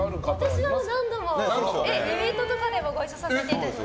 私は何度もイベントとかでもご一緒させていただいて。